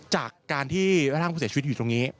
จากการที่ร่างผู้เสียชีวิตอยู่ตรงนี้